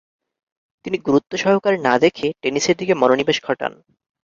তিনি গুরুত্ব সহকারে না দেখে টেনিসের দিকে মনোনিবেশ ঘটান।